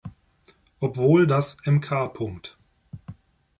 Obwohl das Mk.